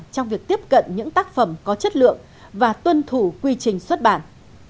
trong việc tiếp cận những tác phẩm có chất lượng và tuân thủ quy trình xuất bản